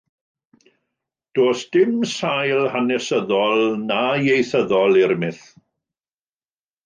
Does dim sail hanesyddol na ieithyddol i'r myth.